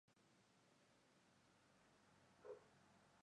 Javier Otaola es autor de los ensayos "La Metáfora masónica.